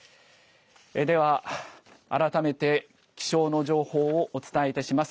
では改めて気象の情報をお伝えします。